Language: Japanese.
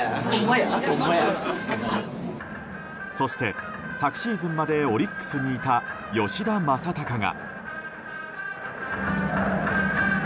そして昨シーズンまでオリックスにいた吉田正尚が。